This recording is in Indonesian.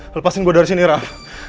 lepasin gue dari sini raff